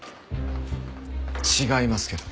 違いますけど。